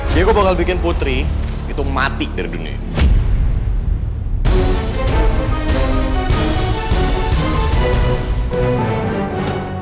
diego akan membuat putri mati dari dunia ini